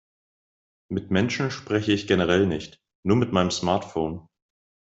Mit Menschen spreche ich generell nicht, nur mit meinem Smartphone.